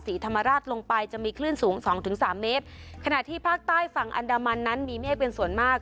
ศรีธรรมราชลงไปจะมีคลื่นสูงสองถึงสามเมตรขณะที่ภาคใต้ฝั่งอันดามันนั้นมีเมฆเป็นส่วนมาก